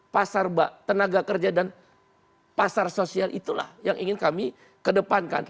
pasar tenaga kerja dan pasar sosial itulah yang ingin kami kedepankan